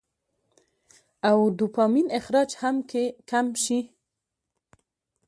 او ډوپامين اخراج هم کم شي -